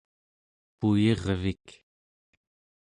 puyirvik